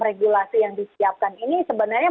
regulasi yang disiapkan ini sebenarnya